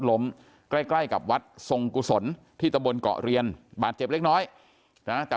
ล้มใกล้ใกล้กับวัดทรงกุศลที่ตะบนเกาะเรียนบาดเจ็บเล็กน้อยนะแต่